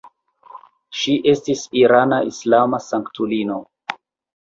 Ŝi estis irana islama sanktulino.